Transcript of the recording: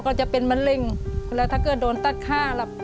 ก็จะเป็นมะเร็งแล้วถ้าเกิดโดนตัดค่าล่ะ